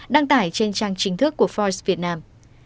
đăng tải trên trang chính thức của foice việt nam